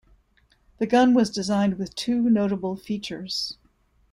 The gun was designed with two notable features.